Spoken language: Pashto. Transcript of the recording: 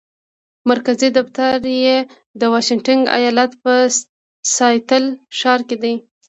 مرکزي دفتر یې د واشنګټن ایالت په سیاتل ښار کې دی.